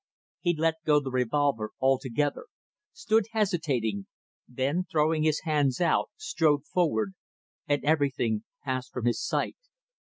He let go the revolver altogether, stood hesitating, then throwing his hands out, strode forward and everything passed from his sight.